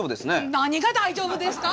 何が大丈夫ですか？